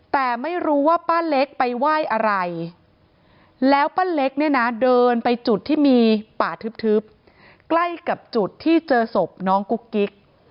แต่ไม่รู้ว่าป้าเล็กไปไหว้อะไรแล้วป้าเล็กเนี่ยนะเดินไปจุดที่มีป่าทึบใกล้กับจุดที่เจอศพน้องกุ๊กกิ๊ก